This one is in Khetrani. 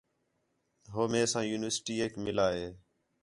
ہو مئے ساں یونیورسٹی ایک مِلا ہِے